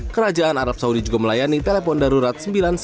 kerajaan arab saudi juga melayani telepon darurat sembilan ratus sembilan puluh